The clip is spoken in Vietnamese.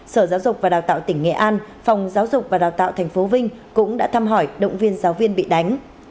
sở giáo dục và đào tạo tỉnh nghệ an phòng giáo dục và đào tạo tp vinh cũng đã thăm hỏi động viên giáo viên bị đánh